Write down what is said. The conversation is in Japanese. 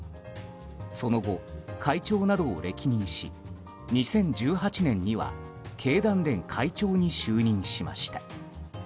その後、会長などを歴任し２０１８年には経団連会長に就任しました。